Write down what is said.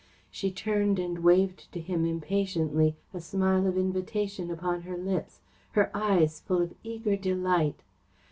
She turned and waved to him impatiently, a smile of invitation upon her lips, her eyes full of eager delight.